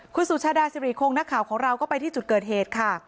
คุณสุชาดาสิริคงนักข่าวของเราก็ไปที่จุดเกิดเหตุค่ะ